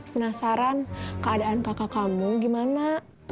penasaran keadaan kakak kamu gimana